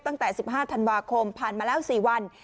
ตั้งแต่๑๕ธันวาคมผ่านมาแล้ว๔วัน